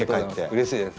うれしいです。